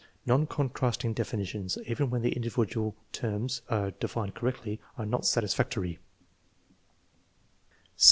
Non contrasting definitions, even when the individual terras are defined correctly, arc not satisfactory.